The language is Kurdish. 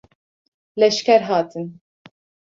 Leşker hatin.